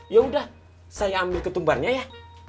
yaudah saya ambil ketumbarnya ya